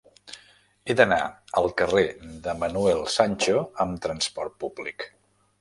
He d'anar al carrer de Manuel Sancho amb trasport públic.